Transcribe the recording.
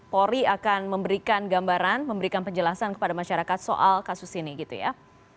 polri akan memberikan gambaran memberikan penjelasan kepada masyarakat soal kasus ini gitu ya